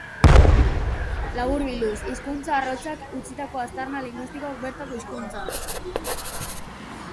Laburbilduz, hizkuntza arrotzak utzitako aztarna linguistikoak bertako hizkuntzan.